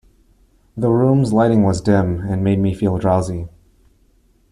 The rooms lighting was dim and made me feel drowsy.